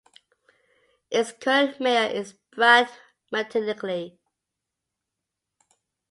Its current mayor is Brad Mattingly.